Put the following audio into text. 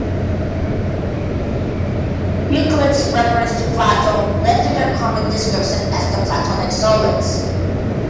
Euclid's reference to Plato led to their common description as the "Platonic solids".